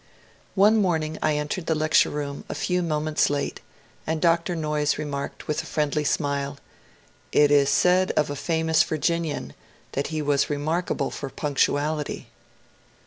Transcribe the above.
One morning I entered the lecture room a few moments late, and Dr. Noyes remarked, with a friendly smile, It is said of a famous Virginian that he was remarkable for punc tuality."